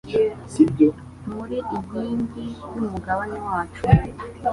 Muri inkingi y'umugabane wacu